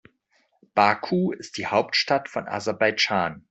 Baku ist die Hauptstadt von Aserbaidschan.